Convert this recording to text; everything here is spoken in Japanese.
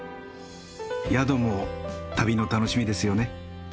宿も旅の楽しみですよね。